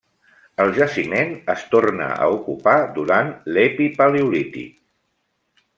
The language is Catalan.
El jaciment es torna a ocupar durant l'epipaleolític.